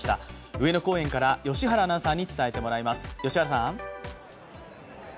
上野公園から良原アナウンサーに伝えてもらいます。